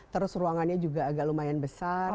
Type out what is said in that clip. terus ruangannya juga agak lumayan besar